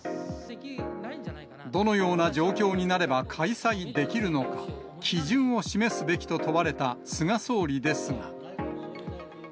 どのような状況になれば開催できるのか、基準を示すべきと問われた菅総理ですが。